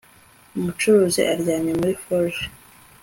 Umucuzi aryamye muri forge